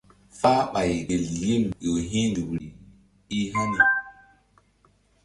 Fáhɓay gel yim ƴo hi̧ nzukri i hani.